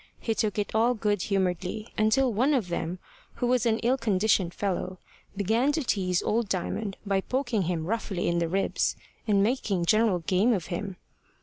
He took it all good humouredly, until one of them, who was an ill conditioned fellow, began to tease old Diamond by poking him roughly in the ribs, and making general game of him.